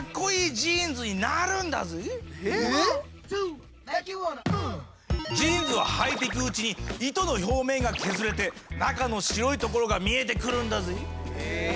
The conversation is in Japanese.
ジーンズははいていくうちに糸の表面が削れて中の白いところが見えてくるんだぜぇ！